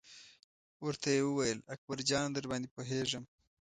ورته یې وویل: اکبر جانه درباندې پوهېږم.